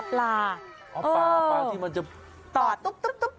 ปลาที่มันจะตอดตุ๊บ